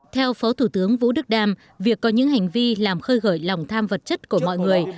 theo phó thủ tướng vũ đức đam việc có những hành vi làm khơi gợi lòng tham vật chất của mọi người